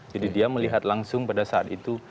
dia melihat langsung pada saat itu